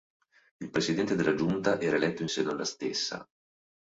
Il Presidente della Giunta era eletto in seno alla stessa.